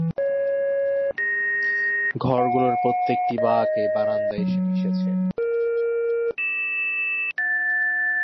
ঘরগুলোর প্রত্যেকটি বাঁক এই বারান্দায় এসে মিশেছে।